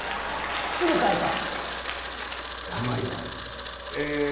すぐ変えた！